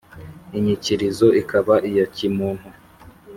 Inyikilizo ikaba iya kimuntu